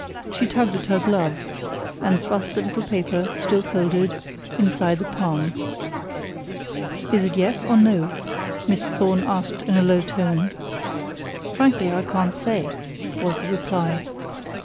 She tugged at her glove, and thrust the little paper, still folded, inside the palm. "Is it yes, or no?" Miss Thorne asked in a low tone. "Frankly, I can't say," was the reply.